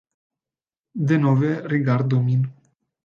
Denove rigardu min.